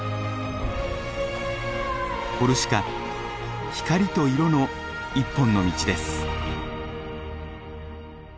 コルシカ光と色の一本の道です。